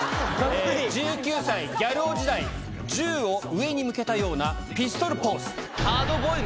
１９歳ギャル男時代銃を上に向けたようなピストルポーズ。